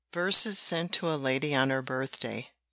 VERSES SENT TO A LADY ON HER BIRTHDAY.